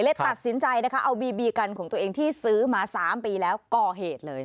ตัดสินใจนะคะเอาบีบีกันของตัวเองที่ซื้อมา๓ปีแล้วก่อเหตุเลย